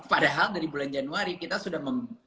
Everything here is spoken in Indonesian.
padahal dari bulan januari kita sudah